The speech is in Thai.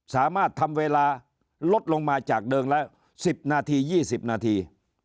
สามารถทำเวลาลดลงมาจากเดิมแล้ว๑๐นาที๒๐นาที